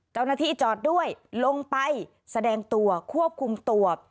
เจ้าหน้าที่จอดด้วยลงไปแสดงตัวควบคุมตัว